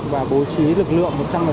và bố trí lực lượng công tác